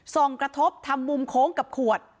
ส่งกระทบทำมุมโค้งกับขวด